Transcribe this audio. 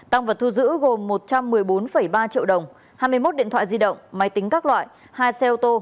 năm trăm một mươi bốn ba triệu đồng hai mươi một điện thoại di động máy tính các loại hai xe ô tô